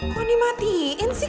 kok dimatiin sih